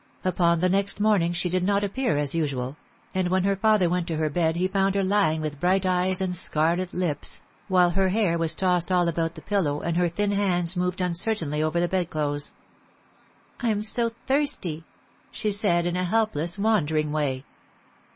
Upon the next morning she did not appear as usual, and when her father went to her bed he found her lying with bright eyes and scarlet lips, while her hair was tossed all about the pillow, and her thin hands moved uncertainly over the bedclothes. * I'm so thirsty,' she said, in a helpless, wandering way.